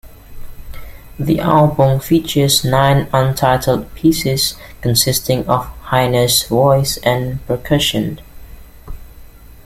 The album features nine untitled pieces, consisting of Haino's voice and percussion.